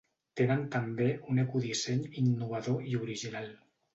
Tenen també un ecodisseny innovador i original.